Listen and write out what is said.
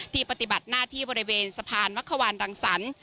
ปฏิบัติหน้าที่บริเวณสะพานมักขวานรังสรรค์